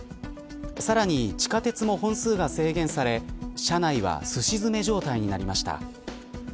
さらに、地下鉄も本数が制限され車内はすし詰め状態になりました。